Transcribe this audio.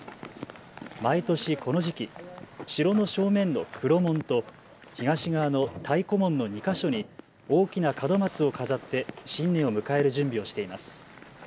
毎年この時期、城の正面の黒門と東側の太鼓門の２か所に大きな門松を飾って新年を迎える準備をしています。